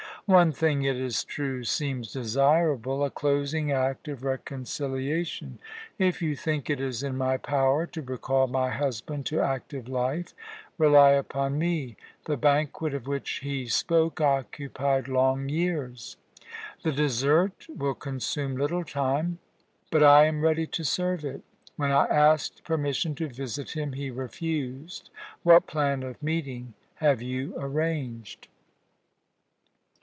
One thing, it is true, seems desirable a closing act of reconciliation. If you think it is in my power to recall my husband to active life, rely upon me. The banquet of which he spoke occupied long years. The dessert will consume little time, but I am ready to serve it. When I asked permission to visit him he refused. What plan of meeting have you arranged?"